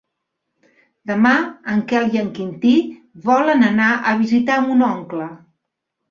Demà en Quel i en Quintí volen anar a visitar mon oncle.